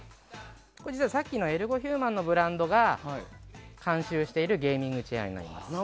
実はさっきのエルゴヒューマンのブランドが監修しているゲーミングチェアになります。